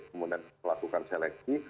kemudian melakukan seleksi